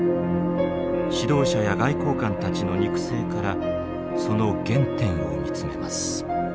指導者や外交官たちの肉声からその原点を見つめます。